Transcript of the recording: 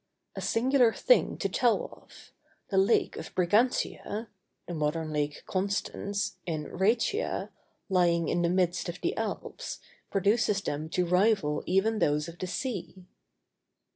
A singular thing to tell of—the lake of Brigantia (the modern Lake Constance), in Rhætia, lying in the midst of the Alps, produces them to rival even those of the sea.